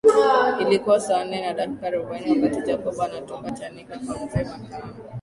Ilikuwa saa nne na dakika arobaini wakati Jacob anatoka chanika kwa mzee Makame